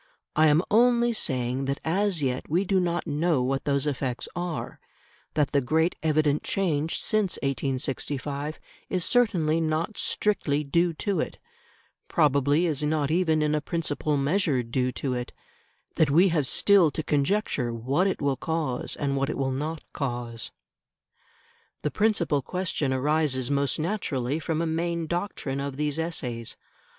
I am only saying that as yet we do not know what those effects are; that the great evident change since 1865 is certainly not strictly due to it; probably is not even in a principal measure due to it; that we have still to conjecture what it will cause and what it will not cause. The principal question arises most naturally from a main doctrine of these essays.